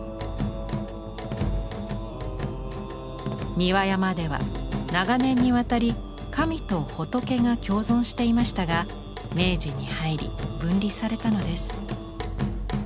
三輪山では長年にわたり神と仏が共存していましたが明治に入り分離されたのです。